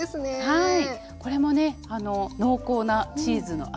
はい。